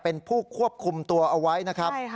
เป็นผู้ควบคุมตัวเอาไว้นะครับ